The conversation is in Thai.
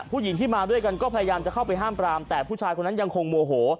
ผู้หญิงที่มาด้วยกันก็พยายามจะเข้าไปห้ามปรามแต่ผู้ชายคนนั้นยังคงโมโห